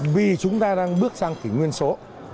vì chúng ta đang bước sang kỷ nguyên số